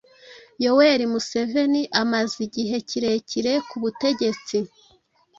Yoweri Museveni amaze igihe kirekire ku butegetsi